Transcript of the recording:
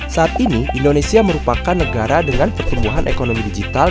saat ini indonesia merupakan negara dengan pertumbuhan ekonomi digital